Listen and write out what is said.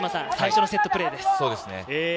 最初のセットプレーです。